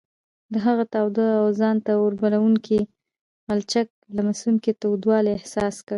د هغه تاوده او ځان ته اوربلوونکي غلچک لمسوونکی تودوالی احساس کړ.